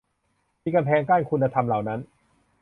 มีกำแพงกั้นคุณธรรมเหล่านั้น